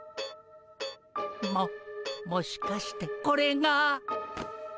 ももしかしてこれが。